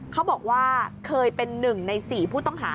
เขาบอกว่าเคยเป็น๑ใน๔ผู้ต้องหา